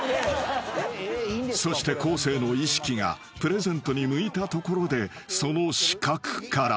［そして昴生の意識がプレゼントに向いたところでその死角から］